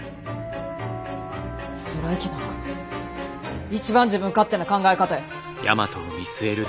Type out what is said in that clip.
ストライキなんか一番自分勝手な考え方や。